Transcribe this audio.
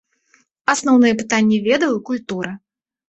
Асноўныя пытанні ведаў і культуры.